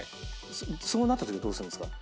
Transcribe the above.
そうなったときどうするんすか？